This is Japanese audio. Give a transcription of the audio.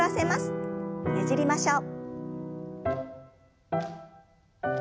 ねじりましょう。